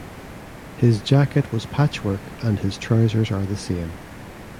His jacket was patchwork and his trousers are the same.